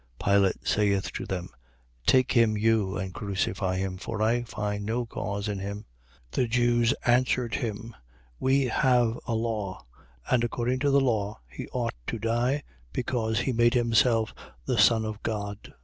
Pilate saith to them: Take him you, and crucify him: for I find no cause in him. 19:7. The Jews answered him: We have a law; and according to the law he ought to die, because he made himself the Son of God.